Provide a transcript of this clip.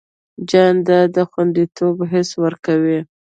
جانداد د خوندیتوب حس ورکوي.